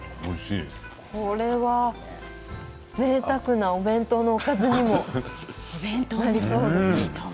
これは、ぜいたくなお弁当のおかずにもなりそうですね。